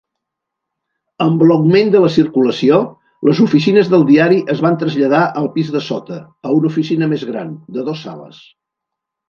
Amb l'augment de la circulació, les oficines del diari es van traslladar al pis de sota, a una oficina més gran de dos sales.